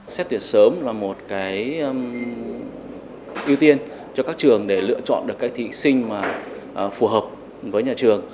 xét tuyển sớm là một cái ưu tiên cho các trường để lựa chọn được cái thị sinh mà phù hợp với nhà trường